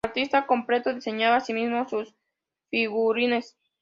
Artista completo, diseñaba, asimismo, sus figurines.